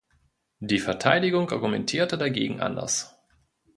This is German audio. Die Verteidigung argumentierte dagegen anders.